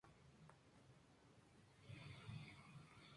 Fue utilizado como pabellón de caza y residencia para sus acompañantes.